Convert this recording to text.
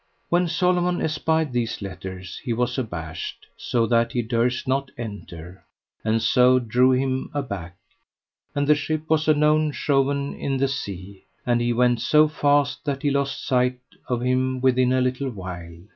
When Solomon espied these letters he was abashed, so that he durst not enter, and so drew him aback; and the ship was anon shoven in the sea, and he went so fast that he lost sight of him within a little while.